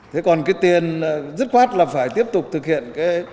thế còn cái tiền dứt khoát là phải tiếp tục thực hiện